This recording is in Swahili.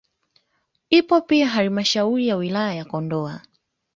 Ipo pia halmashauri ya wilaya ya Kondoa